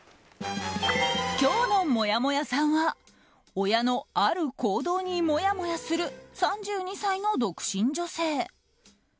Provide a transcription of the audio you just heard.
今日のもやもやさんは親のある行動にもやもやする３２歳の独身女性。